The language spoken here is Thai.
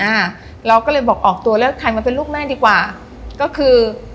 อ่าเราก็เลยบอกออกตัวเลือกใครมาเป็นลูกแม่ดีกว่าก็คือ